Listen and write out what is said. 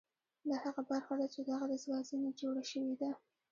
دا هغه برخه ده چې دغه دستګاه ځنې جوړه شوې ده